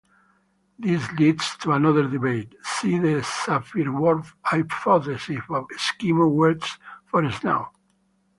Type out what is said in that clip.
This leads to another debate (see the Sapir–Whorf hypothesis or Eskimo words for snow).